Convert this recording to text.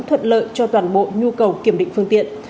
thuận lợi cho toàn bộ nhu cầu kiểm định phương tiện